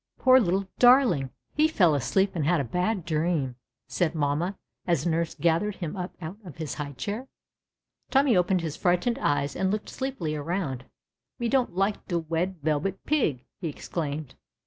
Poor little darling ! he fell asleej) and had a bad dream," said mamma, as nurse gathered him u]3 out of his high chair. Tommy ojoened his frightened eyes and looked sleej)ily around. ^^Me don't lite de Wed Yelbet Pig!" he exclaimed.